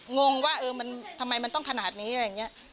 งงว่าเออมันทำไมมันต้องขนาดนี้อะไรอย่างนี้